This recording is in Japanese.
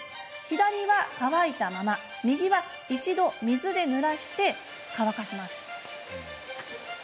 左は乾いたまま右は一度水でぬらして乾かします。